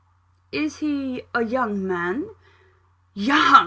"Is he a young man?" "Young!